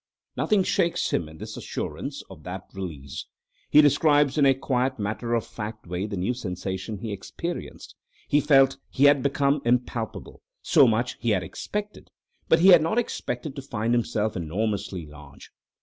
Nothing shakes him in his assurance of that release. He describes in a quiet, matter of fact way the new sensation he experienced. He felt he had become impalpable—so much he had expected, but he had not expected to find himself enormously large.